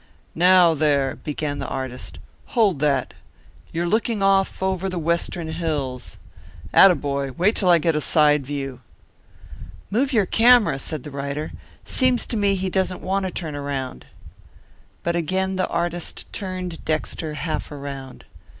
"Now, there," began the artist. "Hold that. You're looking off over the Western hills. Atta boy! Wait till I get a side view." "Move your camera," said the rider. "Seems to me he doesn't want to turn around." But again the artist turned Dexter half around.